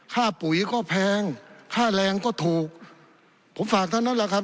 ปุ๋ยก็แพงค่าแรงก็ถูกผมฝากท่านนั้นแหละครับ